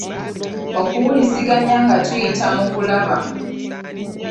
Okuwuliziganya nga tuyita mu kulaba.